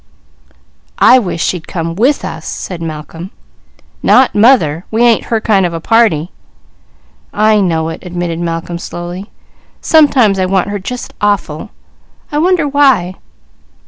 "I wish she'd come with us!" said Malcolm. "Not mother! We ain't her kind of a party." "I know it," admitted Malcolm slowly. "Sometimes I want her just awful. I wonder why?"